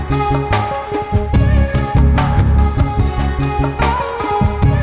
kalau kamu kekuatannya